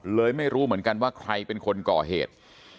ไม่รู้เหมือนกันว่าใครเป็นคนก่อเหตุ